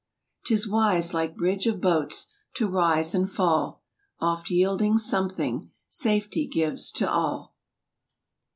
Tis wise, like bridge of boats, to rise and fall: Oft yielding something, safety gives to all.